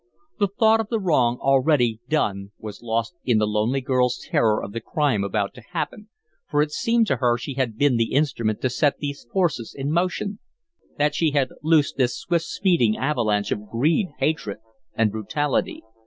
The thought of the wrong already done was lost in the lonely girl's terror of the crime about to happen, for it seemed to her she had been the instrument to set these forces in motion, that she had loosed this swift speeding avalanche of greed, hatred, and brutality.